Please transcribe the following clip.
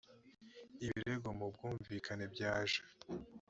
ibirego mu bwumvikane byaje